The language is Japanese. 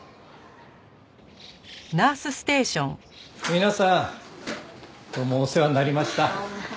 皆さんどうもお世話になりました。